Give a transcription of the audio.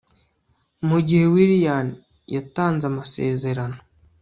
mugihe Willian yatanze amasezerano